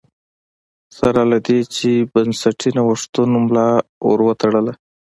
سره له دې چې بنسټي نوښتونو ملا ور وتړله